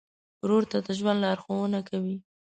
ورور ته د ژوند لارښوونه کوې.